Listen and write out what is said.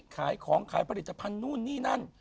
ขายของขายผลิตภัณฑ์นู่นนี่นั่น